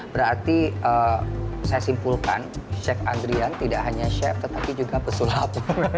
berarti saya simpulkan chef adrian tidak hanya chef tetapi juga pesulap